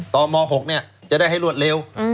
ตอบโมครัว๖เนี่ยจะได้ให้ลวดเร็ว